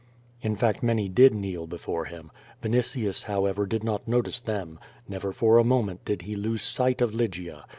In fact many did kneel before him. Vinitius, however, did not notice them. Never for a moment did he lose sight of Lygia.